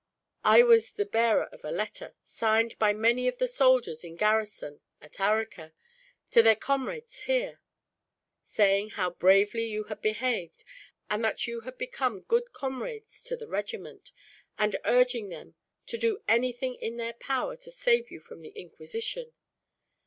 I was the bearer of a letter, signed by many of the soldiers in garrison at Arica, to their comrades here; saying how bravely you had behaved, and that you had become good comrades in the regiment, and urging them to do anything in their power to save you from the Inquisition.